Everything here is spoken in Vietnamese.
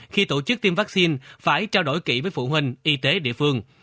khi tổ chức tiêm vaccine phải trao đổi kỹ với phụ huynh y tế địa phương